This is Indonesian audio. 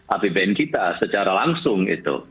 apbn kita secara langsung